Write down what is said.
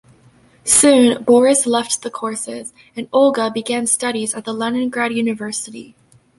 Soon Boris left the courses, and Olga began studies at the Leningrad University.